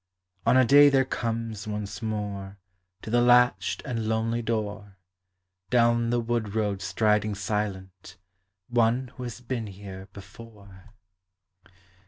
On a day there comes once more To the latched and lonely door, Down the wood road striding Bilent, One who has been here before. v — 10 146 POEMS OF NATURE.